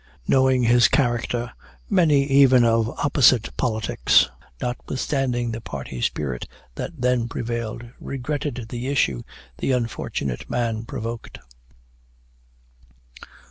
Knowing his character, many even of opposite politics, notwithstanding the party spirit that then prevailed, regretted the issue the unfortunate man provoked.